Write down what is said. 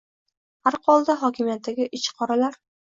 Har holda hokimiyatdagi ichi qoralar